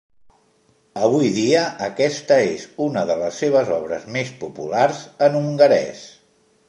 Avui dia, aquesta és una de les seves obres més populars en hongarès.